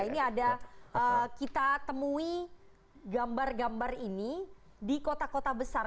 ini ada kita temui gambar gambar ini di kota kota besar